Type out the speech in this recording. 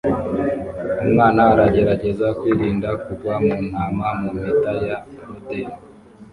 Umwana aragerageza kwirinda kugwa mu ntama mu mpeta ya rodeo